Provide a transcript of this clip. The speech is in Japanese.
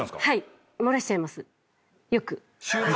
はい。